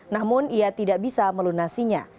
namun ia tidak bisa melunasinya